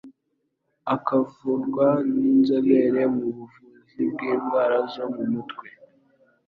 akavurwa n'inzobere mu buvuzi bw'indwara zo mu mutwe